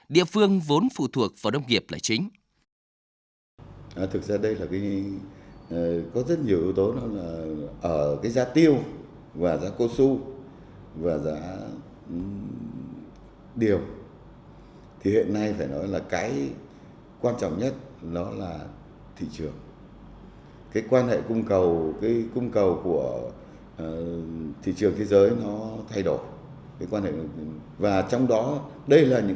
địa phương vốn phụ thuộc vào đông nghiệp là chính